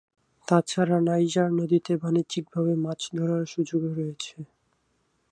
তাছাড়া নাইজার নদীতে বাণিজ্যিকভাবে মাছ ধরার সুযোগও রয়েছে।